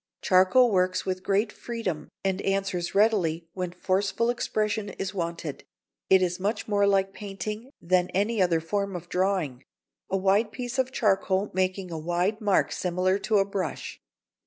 Charcoal works with great freedom, and answers readily when forceful expression is wanted. It is much more like painting than any other form of drawing, a wide piece of charcoal making a wide mark similar to a brush.